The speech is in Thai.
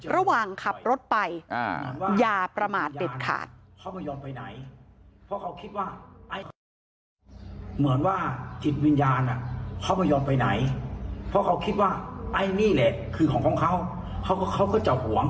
ระหว่างขับรถไปอย่าประมาทเด็ดขาด